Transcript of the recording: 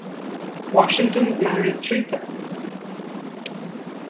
Washington married three times.